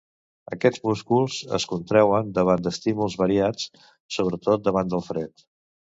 Aquests músculs es contreuen davant d'estímuls variats, sobretot davant del fred.